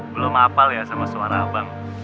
belum hafal ya sama suara abang